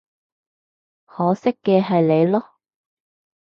可惜嘅係你囉